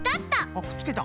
あっくっつけた。